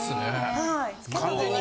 はい。